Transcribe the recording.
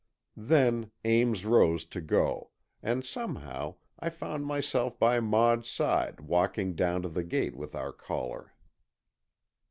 Then Ames rose to go, and somehow, I found myself by Maud's side walking down to the gate with our caller.